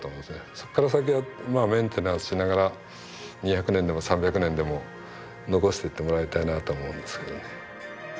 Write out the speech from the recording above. そっから先はメンテナンスしながら２００年でも３００年でも残していってもらいたいなと思うんですけどね。